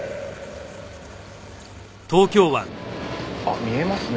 あっ見えますね